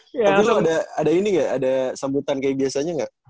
tapi kalau ada ini nggak ada sambutan kayak biasanya nggak